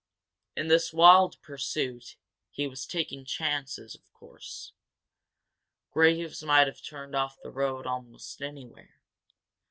In this wild pursuit he was taking chances, of course. Graves might have turned off the road almost anywhere.